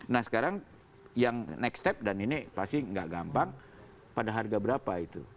nah sekarang yang next step dan ini pasti nggak gampang pada harga berapa itu